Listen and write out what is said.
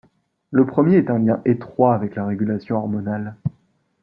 Le premier est un lien étroit avec la régulation hormonale.